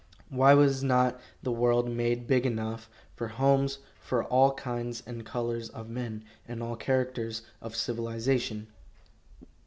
Why was not the world made big enough for homes for all kinds and colors of men, and all characters of civilization?